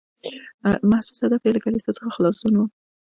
محسوس هدف یې له کلیسا څخه خلاصون و.